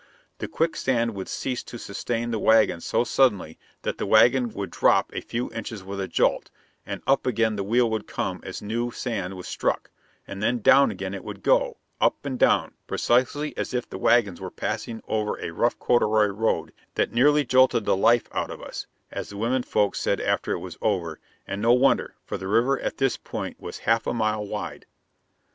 The quicksand would cease to sustain the wheels so suddenly that the wagon would drop a few inches with a jolt, and up again the wheel would come as new sand was struck; then down again it would go, up and down, precisely as if the wagons were passing over a rough corduroy road that "nearly jolted the life out of us," as the women folks said after it was over, and no wonder, for the river at this point was half a mile wide.